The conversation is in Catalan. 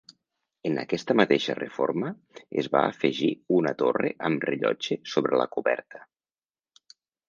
En aquesta mateixa reforma, es va afegir una torre amb rellotge sobre la coberta.